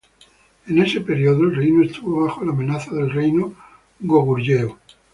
En ese periodo el reino estuvo bajo la amenaza del reino Goguryeo.